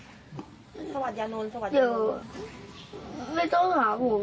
สวัสดียานลูกสวัสดีครับ